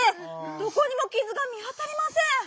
どこにもきずが見あたりません。